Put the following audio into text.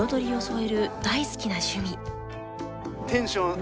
え？